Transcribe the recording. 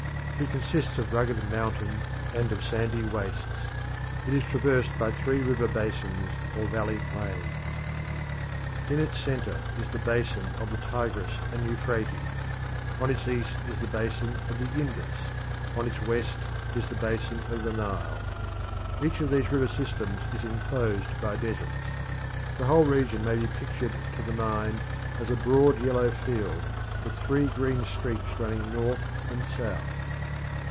It consists of rugged mountain and of sandy wastes; it is traversed by three river basins or valley plains. In its centre is the basin of the Tigris and Euphrates. On its east is the basin of the Indus; on its west is the basin of the Nile. Each of these river systems is enclosed by deserts. The whole region may be pictured to the mind as a broad yellow field with three green streaks running north and south.